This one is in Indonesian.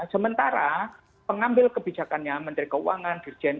sementara pengambil kebijakannya menteri keuangan dirjen